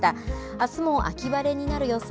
あすも秋晴れになる予想。